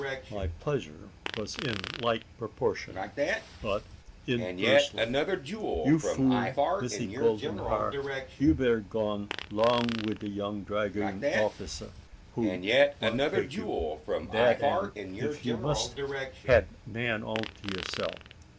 My pleasure was in like proportion, but inversely. "You fool, missy' golding har? you' better gone 'long wi' de young dragoon offica who want take you dat am, if you must had man all to youseff.